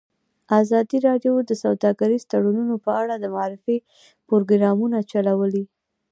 ازادي راډیو د سوداګریز تړونونه په اړه د معارفې پروګرامونه چلولي.